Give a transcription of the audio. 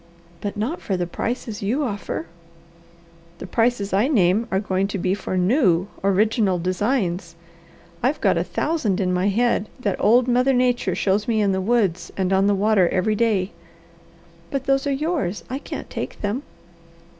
"But not for the prices you offer." "The prices I name are going to be for NEW, ORIGINAL DESIGNS. I've got a thousand in my head, that old Mother Nature shows me in the woods and on the water every day." "But those are yours; I can't take them."